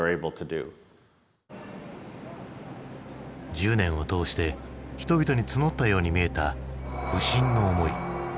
１０年を通して人々に募ったように見えた不信の思い。